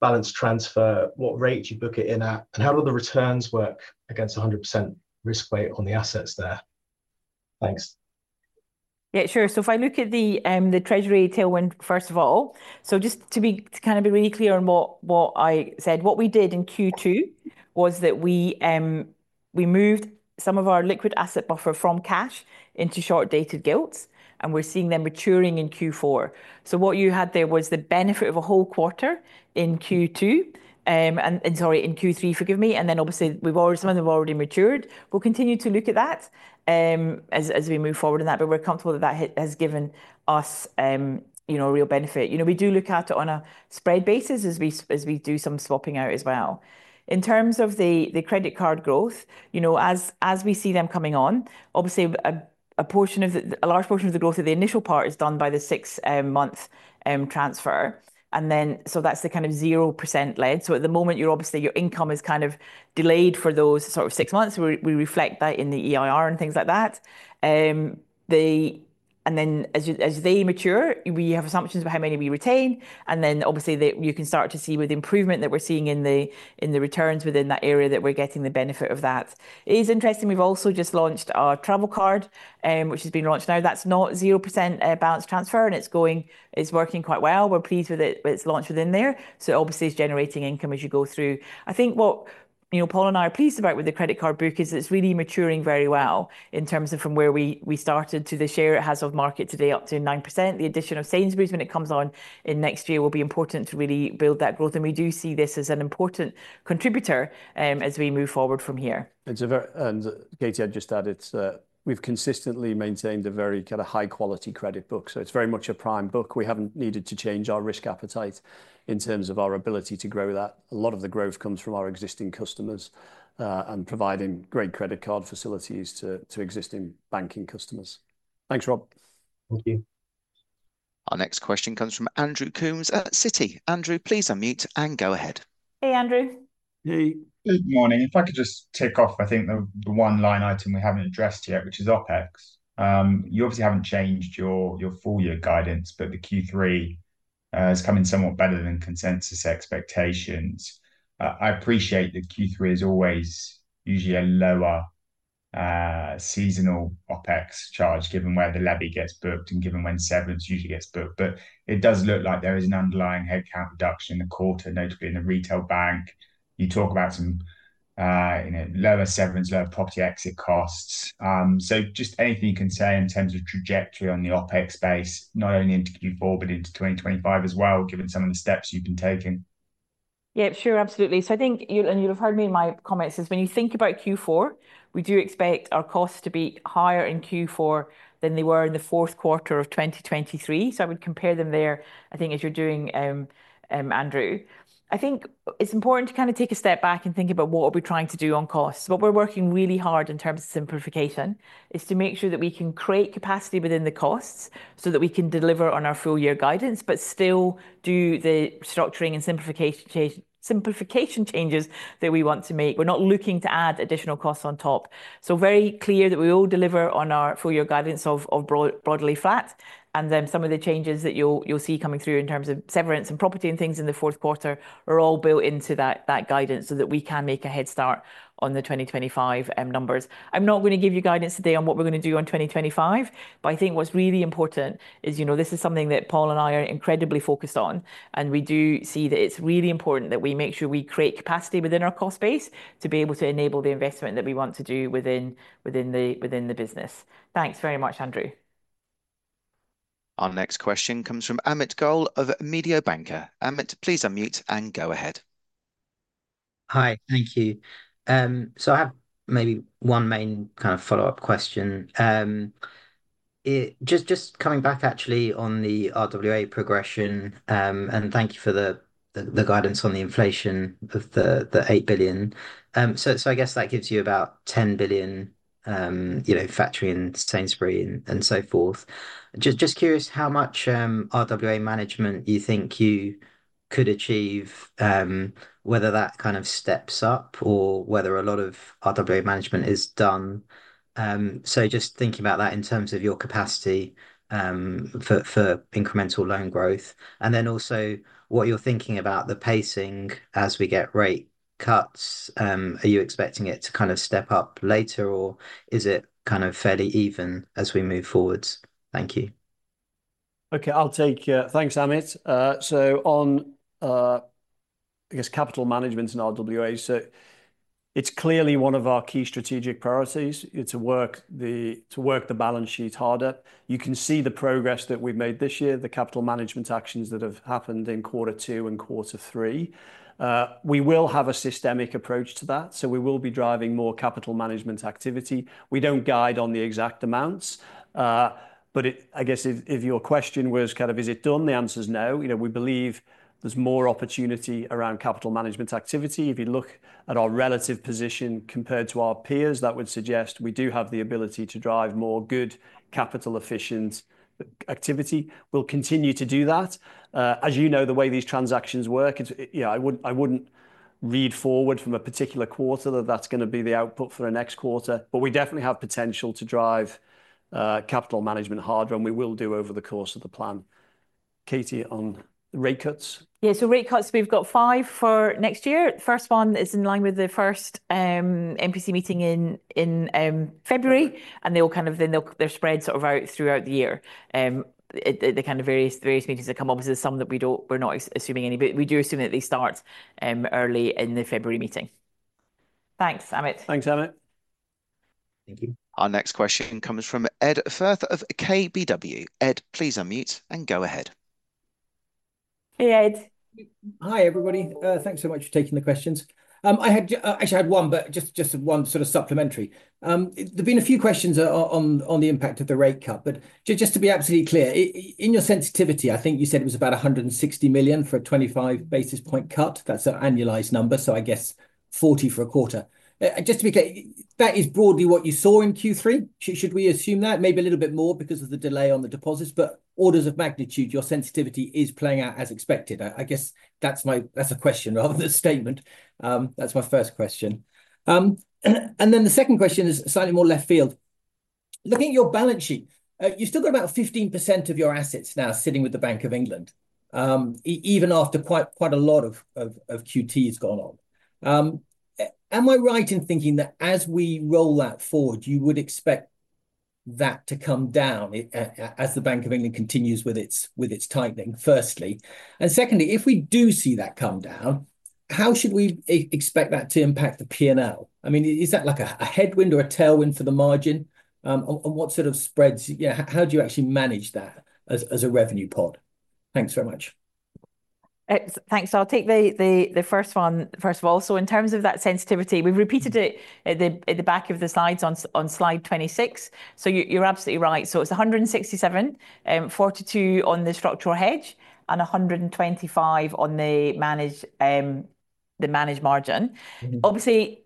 balance transfer, what rate do you book it in at, and how do the returns work against 100% risk weight on the assets there? Thanks. Yeah, sure. So if I look at the treasury tailwind, first of all, so just to kind of be really clear on what I said, what we did in Q2 was that we moved some of our liquid asset buffer from cash into short-dated gilts, and we're seeing them maturing in Q4. So what you had there was the benefit of a whole quarter in Q2, and sorry, in Q3, forgive me, and then obviously we've already... some of them have already matured. We'll continue to look at that as we move forward in that, but we're comfortable that that has given us, you know, a real benefit. You know, we do look at it on a spread basis as we do some swapping out as well. In terms of the credit card growth, you know, as we see them coming on, obviously a portion of the... A large portion of the growth of the initial part is done by the six month transfer, and then, so that's the kind of 0% lend. So at the moment, you're obviously, your income is kind of delayed for those sort of six months. We reflect that in the EIR and things like that. And then as they mature, we have assumptions about how many we retain, and then obviously you can start to see with the improvement that we're seeing in the returns within that area, that we're getting the benefit of that. It is interesting, we've also just launched our travel card, which has been launched now. That's not zero percent balance transfer, and it's going, it's working quite well. We're pleased with it. It's launched within there, so obviously it's generating income as you go through. I think what, you know, Paul and I are pleased about with the credit card book is it's really maturing very well in terms of from where we started to the share it has of market today, up to 9%. The addition of Sainsbury's, when it comes on in next year, will be important to really build that growth, and we do see this as an important contributor, as we move forward from here. It's a very... And Katie, I'd just add, it's, we've consistently maintained a very kind of high-quality credit book, so it's very much a prime book. We haven't needed to change our risk appetite in terms of our ability to grow that. A lot of the growth comes from our existing customers, and providing great credit card facilities to existing banking customers. Thanks, Rob. Thank you. Our next question comes from Andrew Coombs at Citi. Andrew, please unmute and go ahead. Hey, Andrew. Hey. Good morning. If I could just tick off, I think, the one line item we haven't addressed yet, which is OpEx. You obviously haven't changed your full year guidance, but the Q3 has come in somewhat better than consensus expectations. I appreciate that Q3 is always usually a lower seasonal OpEx charge, given where the levy gets booked and given when severance usually gets booked, but it does look like there is an underlying headcount reduction in the quarter, notably in the retail bank. You talk about some, you know, lower severance, lower property exit costs. So just anything you can say in terms of trajectory on the OpEx base, not only into Q4, but into twenty twenty-five as well, given some of the steps you've been taking? Yeah, sure, absolutely. So I think you... And you'll have heard me in my comments, is when you think about Q4, we do expect our costs to be higher in Q4 than they were in the fourth quarter of 2023, so I would compare them there, I think, as you're doing, Andrew. I think it's important to kind of take a step back and think about what are we trying to do on costs. What we're working really hard in terms of simplification is to make sure that we can create capacity within the costs, so that we can deliver on our full-year guidance, but still do the structuring and simplification change, simplification changes that we want to make. We're not looking to add additional costs on top. So very clear that we will deliver on our full-year guidance of broadly flat, and then some of the changes that you'll see coming through in terms of severance and property and things in the fourth quarter are all built into that guidance, so that we can make a head start on the twenty twenty-five numbers. I'm not going to give you guidance today on what we're going to do on twenty twenty-five, but I think what's really important is, you know, this is something that Paul and I are incredibly focused on, and we do see that it's really important that we make sure we create capacity within our cost base to be able to enable the investment that we want to do within the business. Thanks very much, Andrew. Our next question comes from Amit Goel of Mediobanca. Amit, please unmute and go ahead. Hi, thank you. So I have maybe one main kind of follow-up question. Just coming back actually on the RWA progression, and thank you for the guidance on the inflation of the eight billion. So I guess that gives you about ten billion, you know, factoring Sainsbury and so forth. Just curious how much RWA management you think you could achieve, whether that kind of steps up or whether a lot of RWA management is done. So just thinking about that in terms of your capacity for incremental loan growth, and then also what you're thinking about the pacing as we get rate cuts. Are you expecting it to kind of step up later, or is it kind of fairly even as we move forwards? Thank you. Okay, I'll take. Thanks, Amit. So on, I guess, capital management and RWA, so it's clearly one of our key strategic priorities to work the balance sheet harder. You can see the progress that we've made this year, the capital management actions that have happened in quarter two and quarter three. We will have a systemic approach to that, so we will be driving more capital management activity. We don't guide on the exact amounts. But I guess if, if your question was kind of, is it done? The answer's no. You know, we believe there's more opportunity around capital management activity. If you look at our relative position compared to our peers, that would suggest we do have the ability to drive more good capital-efficient activity. We'll continue to do that. As you know, the way these transactions work, it, you know, I wouldn't, I wouldn't read forward from a particular quarter that that's gonna be the output for the next quarter, but we definitely have potential to drive, capital management harder, and we will do over the course of the plan. Katie, on rate cuts? Yeah, so rate cuts, we've got five for next year. First one is in line with the first MPC meeting in February, and they all kind of then they're spread sort of out throughout the year. It, the kind of various meetings that come up, obviously some that we don't, we're not assuming any, but we do assume that they start early in the February meeting. Thanks, Amit. Thanks, Amit. Thank you. Our next question comes from Ed Firth of KBW. Ed, please unmute and go ahead. Hey, Ed. Hi, everybody. Thanks so much for taking the questions. I actually had one, but just one sort of supplementary. There've been a few questions on the impact of the rate cut, but just to be absolutely clear, in your sensitivity, I think you said it was about 160 million for a 25 basis point cut. That's an annualized number, so I guess 40 for a quarter. Just to be clear, that is broadly what you saw in Q3? Should we assume that maybe a little bit more because of the delay on the deposits, but orders of magnitude, your sensitivity is playing out as expected? I guess that's a question rather than a statement. That's my first question. And then the second question is slightly more left field. Looking at your balance sheet, you've still got about 15% of your assets now sitting with the Bank of England, even after quite a lot of QT has gone on. Am I right in thinking that as we roll that forward, you would expect that to come down, as the Bank of England continues with its tightening, firstly? And secondly, if we do see that come down, how should we expect that to impact the P&L? I mean, is that like a headwind or a tailwind for the margin? And what sort of spreads, you know, how do you actually manage that as a revenue pot? Thanks very much. Thanks. I'll take the first one, first of all. So in terms of that sensitivity, we've repeated it at the back of the slides on slide 26, so you're absolutely right. So it's a hundred and sixty-seven, forty-two on the structural hedge and a hundred and twenty-five on the managed margin. Mm-hmm. Obviously,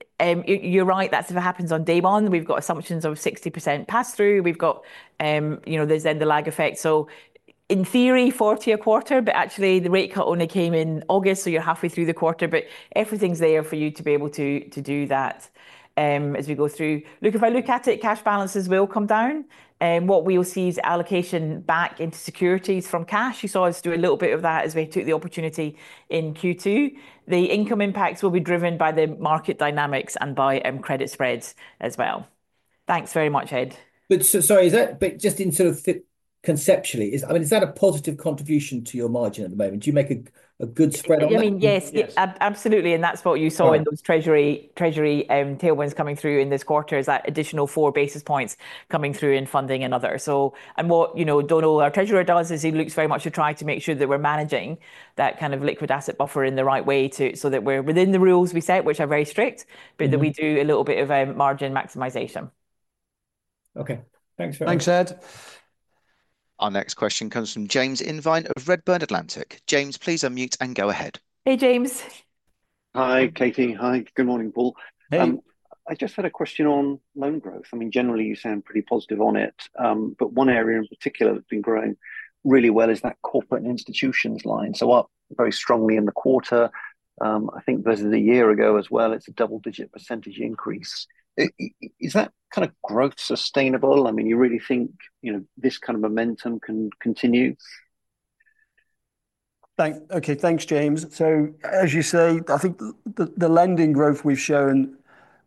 you're right, that if it happens on day one, we've got assumptions of 60% pass-through. We've got, you know, there's then the lag effect. So in theory, 40 a quarter, but actually the rate cut only came in August, so you're halfway through the quarter, but everything's there for you to be able to, to do that, as we go through. Look, if I look at it, cash balances will come down, what we will see is allocation back into securities from cash. You saw us do a little bit of that as we took the opportunity in Q2. The income impacts will be driven by the market dynamics and by, credit spreads as well. Thanks very much, Ed. Sorry, but just sort of conceptually, I mean, is that a positive contribution to your margin at the moment? Do you make a good spread on it? I mean, yes. Yes. Absolutely, and that's what you saw- Yeah ...in those treasury tailwinds coming through in this quarter, is that additional four basis points coming through in funding and other. So, and what, you know, Donald, our treasurer, does is he looks very much to try to make sure that we're managing that kind of liquid asset buffer in the right way to- so that we're within the rules we set, which are very strict- Mm-hmm... but that we do a little bit of a margin maximization. Okay, thanks very much. Thanks, Ed. Our next question comes from James Irvine of Redburn Atlantic. James, please unmute and go ahead. Hey, James. Hi, Katie. Hi, good morning, Paul. Hey. I just had a question on loan growth. I mean, generally, you sound pretty positive on it, but one area in particular that's been growing really well is that corporate and institutions line. So up very strongly in the quarter, I think versus a year ago as well, it's a double-digit % increase. Is that kind of growth sustainable? I mean, you really think, you know, this kind of momentum can continue? Thanks, James. So as you say, I think the lending growth we've shown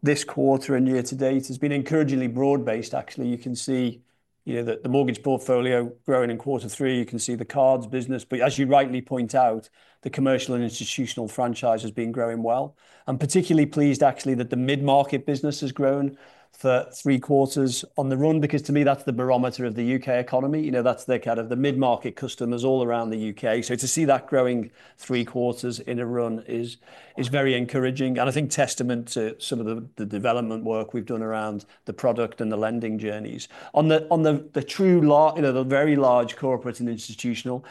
this quarter and year to date has been encouragingly broad-based, actually. You can see, you know, that the mortgage portfolio growing in quarter three, you can see the cards business. But as you rightly point out, the commercial and institutional franchise has been growing well. I'm particularly pleased, actually, that the mid-market business has grown for three quarters on the run, because to me, that's the barometer of the U.K. economy. You know, that's the kind of mid-market customers all around the U.K. So to see that growing three quarters in a run is very encouraging, and I think testament to some of the development work we've done around the product and the lending journeys. You know, the very large corporate and institutional,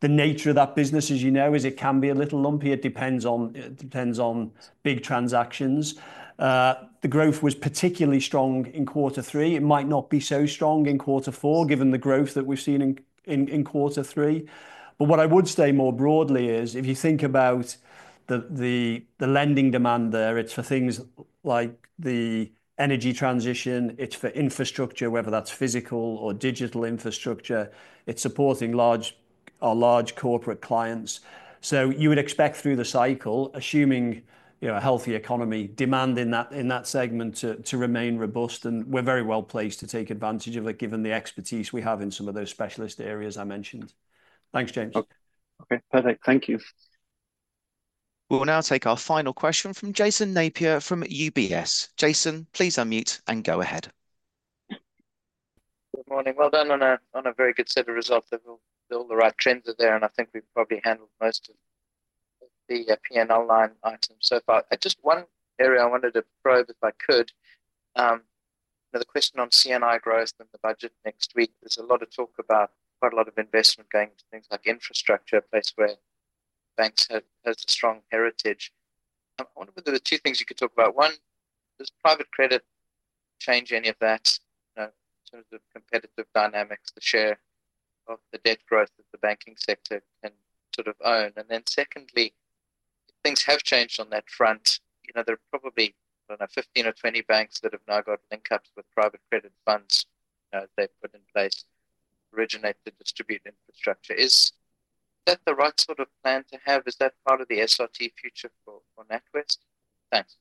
the nature of that business, as you know, is it can be a little lumpy. It depends on big transactions. The growth was particularly strong in quarter three. It might not be so strong in quarter four, given the growth that we've seen in quarter three. But what I would say more broadly is, if you think about the lending demand there, it's for things like the energy transition, it's for infrastructure, whether that's physical or digital infrastructure, it's supporting our large corporate clients. So you would expect through the cycle, assuming, you know, a healthy economy, demand in that segment to remain robust, and we're very well placed to take advantage of it, given the expertise we have in some of those specialist areas I mentioned. Thanks, James. Okay. Okay, perfect. Thank you. We will now take our final question from Jason Napier from UBS. Jason, please unmute and go ahead. Good morning. Well done on a very good set of results that all the right trends are there, and I think we've probably handled most of the P&L line items so far. Just one area I wanted to probe, if I could. Now the question on CNI growth and the budget next week, there's a lot of talk about quite a lot of investment going to things like infrastructure, a place where banks have a strong heritage. I wonder whether there are two things you could talk about. One, does private credit change any of that, you know, in terms of competitive dynamics, the share of the debt growth that the banking sector can sort of own? And then secondly, things have changed on that front. You know, there are probably, I don't know, 15 or 20 banks that have now got link-ups with private credit funds, you know, they've put in place to originate the distributed infrastructure. Is that the right sort of plan to have? Is that part of the SRT future for NatWest? Thanks.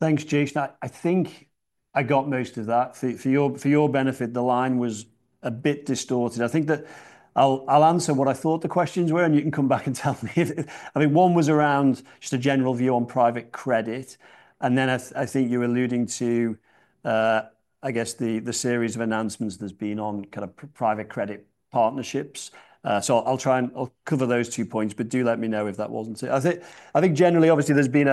Thanks, Jason. I think I got most of that. For your benefit, the line was a bit distorted. I think that I'll answer what I thought the questions were, and you can come back and tell me if... I mean, one was around just a general view on private credit, and then I think you were alluding to, I guess the series of announcements there's been on kind of private credit partnerships. So I'll try and I'll cover those two points, but do let me know if that wasn't it. I think generally, obviously, there's been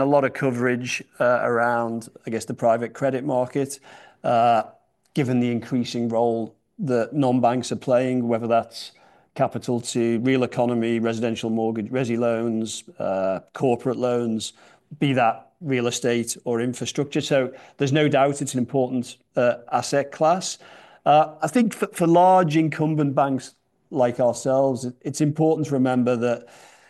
a lot of coverage around, I guess, the private credit market, given the increasing role that non-banks are playing, whether that's capital to real economy, residential mortgage, resi loans, corporate loans, be that real estate or infrastructure. So there's no doubt it's an important asset class. I think for large incumbent banks like ourselves, it's important to remember that,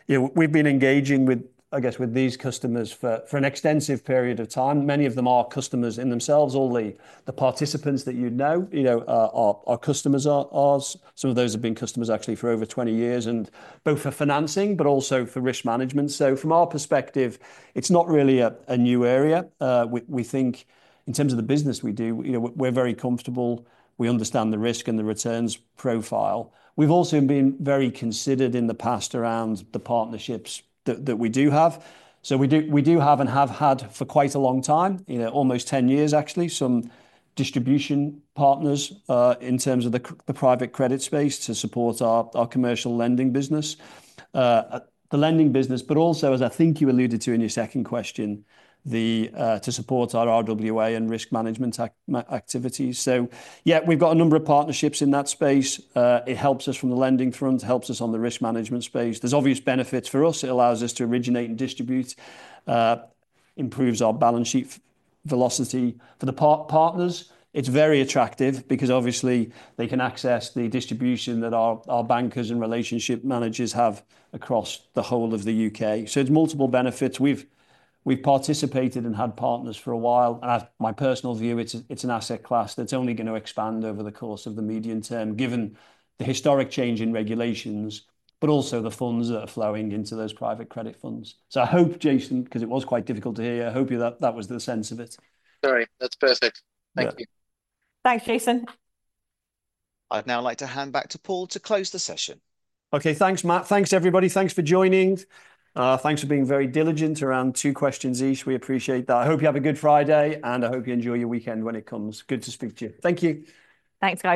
you know, we've been engaging with, I guess, with these customers for an extensive period of time. Many of them are customers in themselves. All the participants that you'd know, you know, are customers of ours. Some of those have been customers actually for over 20 years, and both for financing, but also for risk management. So from our perspective, it's not really a new area. We think in terms of the business we do, you know, we're very comfortable. We understand the risk and the returns profile. We've also been very considered in the past around the partnerships that we do have. So we do have and have had for quite a long time, you know, almost 10 years, actually, some distribution partners in terms of the private credit space to support our commercial lending business. The lending business, but also, as I think you alluded to in your second question, to support our RWA and risk management activities. So yeah, we've got a number of partnerships in that space. It helps us from the lending front, helps us on the risk management space. There's obvious benefits for us. It allows us to originate and distribute, improves our balance sheet velocity. For the partners, it's very attractive because obviously they can access the distribution that our bankers and relationship managers have across the whole of the U.K. So there's multiple benefits. We've participated and had partners for a while, and my personal view, it's an asset class that's only gonna expand over the course of the medium term, given the historic change in regulations, but also the funds that are flowing into those private credit funds. So I hope, Jason, 'cause it was quite difficult to hear, I hope you that, that was the sense of it. Sorry, that's perfect. Yeah. Thank you. Thanks, Jason. I'd now like to hand back to Paul to close the session. Okay. Thanks, Matt. Thanks, everybody. Thanks for joining. Thanks for being very diligent around two questions each. We appreciate that. I hope you have a good Friday, and I hope you enjoy your weekend when it comes. Good to speak to you. Thank you! Thanks, guys.